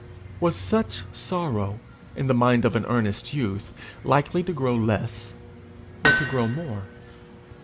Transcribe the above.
Was such sorrow, in the mind of an earnest youth, likely to grow less or to grow more?